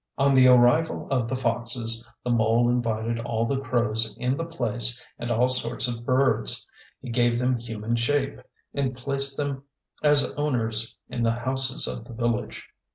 On the arrival of the foxes, the mole invited all the crows in the place and all sorts of birds. He gave them human shape, and placed them as owners in the houses of the village.